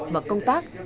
và công tác